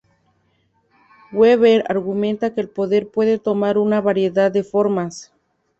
Weber argumenta que el poder puede tomar una variedad de formas.